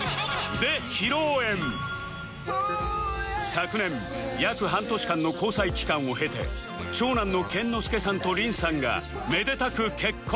昨年約半年間の交際期間を経て長男の健之介さんと凛さんがめでたく結婚